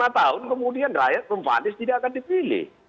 lima tahun kemudian rakyat rumpatis tidak akan dipilih